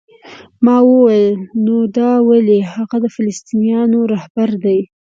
ما وویل: نو دا ولې؟ هغه د فلسطینیانو رهبر دی؟